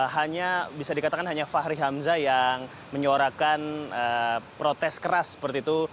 hanya bisa dikatakan hanya fahri hamzah yang menyuarakan protes keras seperti itu